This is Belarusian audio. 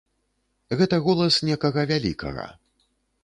Гэта голас некага вялікага.